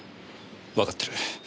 わかってる。